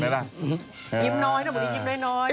ยิ้มน้อยนะ